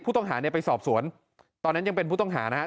ผู้ต้องหาเนี่ยไปสอบสวนตอนนั้นยังเป็นผู้ต้องหานะฮะ